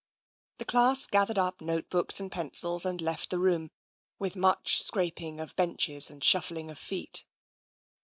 The class gathered up note books and pencils and left the room, with much scraping of benches and shuffling of feet.